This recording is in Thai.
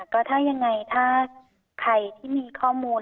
ก็ถ้ายังไงถ้าใครที่มีข้อมูล